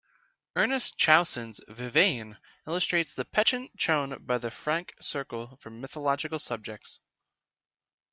Ernest Chausson's "Vivane" illustrates the penchant shown by the Franck circle for mythological subjects.